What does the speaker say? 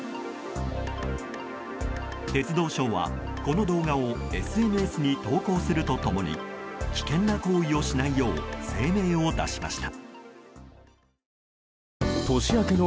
鉄道省は、この動画をＳＮＳに投稿すると共に危険な行為をしないよう声明を出しました。